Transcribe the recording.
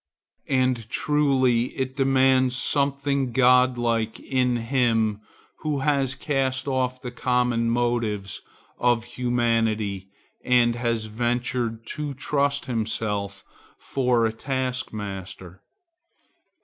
And truly it demands something godlike in him who has cast off the common motives of humanity and has ventured to trust himself for a taskmaster.